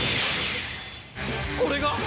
これが？